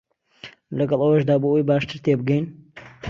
لەگەڵ ئەوەشدا بۆ ئەوەی باشتر تێبگەین